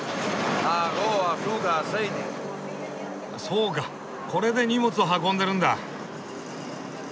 そうかこれで荷物を運んでるんだ。